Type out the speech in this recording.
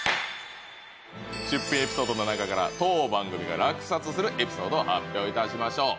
出品エピソードの中から当番組が落札するエピソードを発表致しましょう。